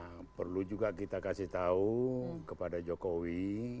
nah perlu juga kita kasih tahu kepada jokowi